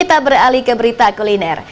kita beralih ke berita kuliner